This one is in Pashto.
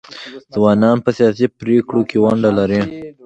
ځوانان په سیاسي پریکړو کې ونډه لري.